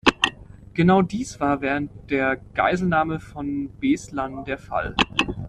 Genau dies war während der Geiselnahme von Beslan der Fall.